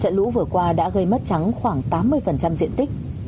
trận lũ vừa qua đã gây mất trắng khoảng tám mươi diện tích